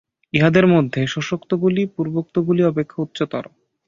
ইহাদের মধ্যে শেষোক্তগুলি পূর্বোক্তগুলি অপেক্ষা উচ্চতর।